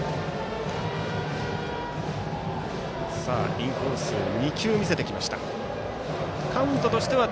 インコースを２球見せてきました。